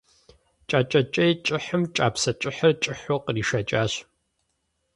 Кӏакӏэ кӏей кӏыхьым кӏапсэ кӏыхьыр кӏыхьу къришэкӏащ.